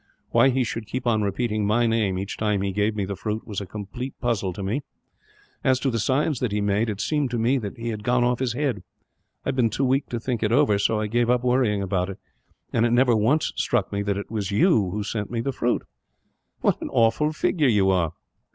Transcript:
Why he should keep on repeating my name, each time he gave me the fruit, was a complete puzzle for me. As to the signs that he made, it seemed to me that he had gone off his head. I have been too weak to think it over, so I gave up worrying about it; and it never once struck me that it was you who sent me the fruit. "What an awful figure you are!"